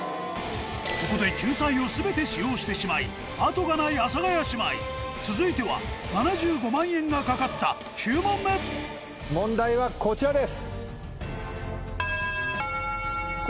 ここで救済を全て使用してしまい後がない阿佐ヶ谷姉妹続いては７５万円が懸かった９問目問題はこちらです。